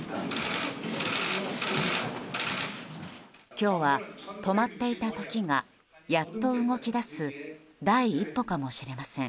今日は止まっていた時がやっと動き出す第一歩かもしれません。